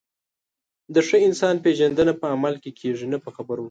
د ښه انسان پیژندنه په عمل کې کېږي، نه په خبرو.